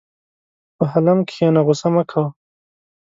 په حلم کښېنه، غوسه مه کوه.